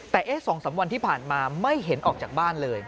แต่๒๓วันที่ผ่านมาไม่เห็นออกจากบ้านเลย